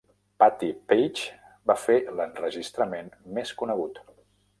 Patti Page va fer l'enregistrament més conegut.